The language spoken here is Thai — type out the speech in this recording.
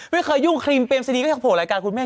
ไม่เคยยุ่งครีมเปลืมซีนีก็จะผ่วงรายการคุณแม่